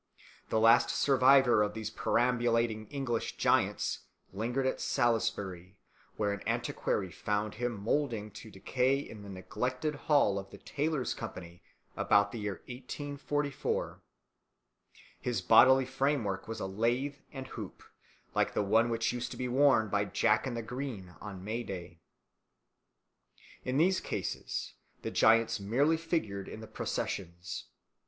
The last survivor of these perambulating English giants lingered at Salisbury, where an antiquary found him mouldering to decay in the neglected hall of the Tailors' Company about the year 1844. His bodily framework was a lath and hoop, like the one which used to be worn by Jack in the Green on May Day. In these cases the giants merely figured in the processions.